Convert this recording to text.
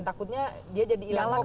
takutnya dia jadi hilang lagi